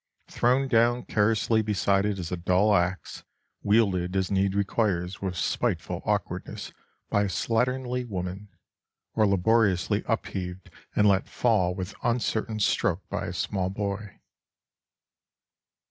Thrown down carelessly beside it is a dull axe, wielded as need requires with spiteful awkwardness by a slatternly woman, or laboriously upheaved and let fall with uncertain stroke by a small boy.